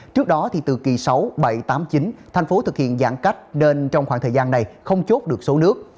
trước đó từ kỳ sáu bảy tám mươi chín thành phố thực hiện giãn cách nên trong khoảng thời gian này không chốt được số nước